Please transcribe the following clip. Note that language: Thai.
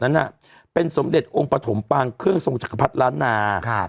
นั้นน่ะเป็นสมเด็จองค์ประถมปางเครื่องสงจักรพรรณาค่ะ